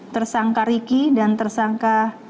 tersangka riki dan tersangka